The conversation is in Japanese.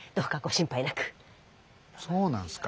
そうなんすか。